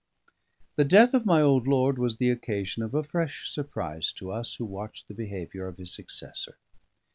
The death of my old lord was the occasion of a fresh surprise to us who watched the behaviour of his successor.